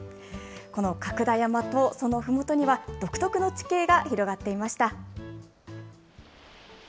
この角田山とそのふもとには、独特の地形が広がっていました。